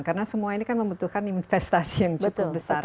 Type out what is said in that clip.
karena semua ini kan membutuhkan investasi yang cukup besar